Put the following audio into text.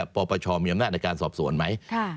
ปปชมีอำนาจในการสอบสวนไหม